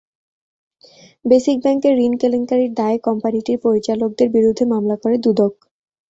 Basic ব্যাংকের ঋণ কেলেঙ্কারির দায়ে কোম্পানিটির পরিচালকদের বিরুদ্ধে মামলা করে দুদক।